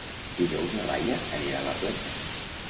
Dijous na Laia anirà a la platja.